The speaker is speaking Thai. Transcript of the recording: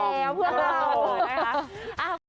เยี่ยม